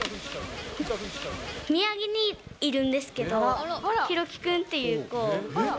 宮城にいるんですけど、ひろき君っていう子。